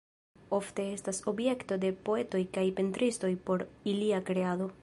Ofte estas objekto de poetoj kaj pentristoj por ilia kreado.